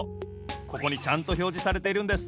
ここにちゃんとひょうじされているんです。